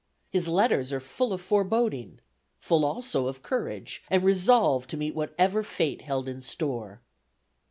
His letters are full of foreboding; full also of courage, and resolve to meet whatever fate held in store.